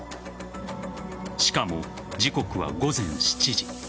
しかも時刻は午前７時。